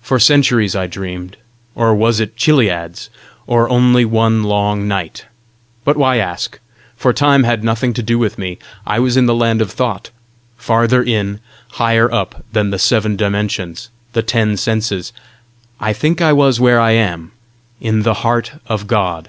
For centuries I dreamed or was it chiliads? or only one long night? But why ask? for time had nothing to do with me; I was in the land of thought farther in, higher up than the seven dimensions, the ten senses: I think I was where I am in the heart of God.